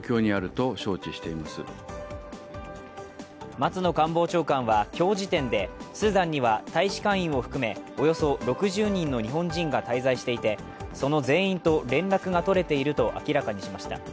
松野官房長官は今日時点でスーダンには大使館員を含めおよそ６０人の日本人が滞在していてその全員と連絡が取れていると明らかにしました。